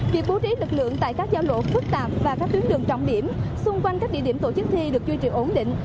việc bố trí lực lượng tại các giao lộ phức tạp và các tuyến đường trọng điểm xung quanh các địa điểm tổ chức thi được duy trì ổn định